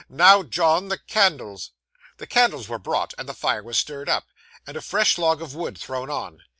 Now, John, the candles.' The candles were brought, the fire was stirred up, and a fresh log of wood thrown on.